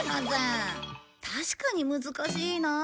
確かに難しいなあ。